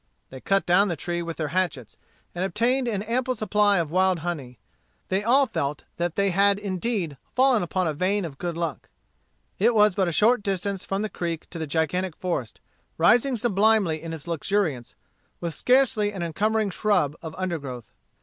They cut down the tree with their hatchets, and obtained an ample supply of wild honey. They all felt that they had indeed fallen upon a vein of good luck. It was but a short distance from the creek to the gigantic forest, rising sublimely in its luxuriance, with scarcely an encumbering shrub of undergrowth.